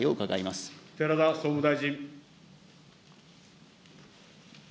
ま寺田総務大臣。